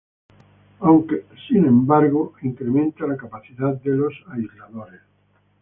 Aunque, sin embargo, incrementan la capacitancia de los aisladores.